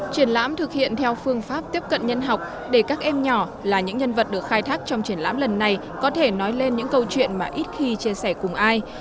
triển lãm thực hiện theo phương pháp tiếp cận nhân học để các em nhỏ là những nhân vật được khai thác trong triển lãm lần này có thể nói lên những câu chuyện mà ít khi chia sẻ cùng ai